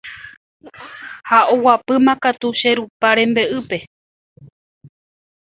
Ha oguapýmakatu che rupa rembe'ýpe.